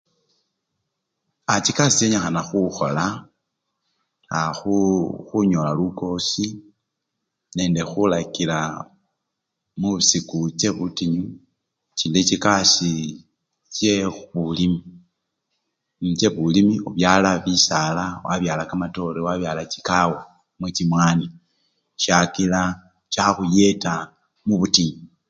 Aa! chikasii chichenyikhana khukhola aa! khu! khunyola lukosi nende khulakila musiku chebutinyu, chili chikasi chekhulima uu! chebulimi ubyala bisala wabyala kamatore wabyala chikawa namwe chimwani chakila chakhuyeta mubutinyu.